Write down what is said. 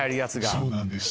そうなんです。